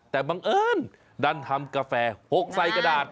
แต่บังเอิญดันทำกาแฟ๖ใส่กระดาษ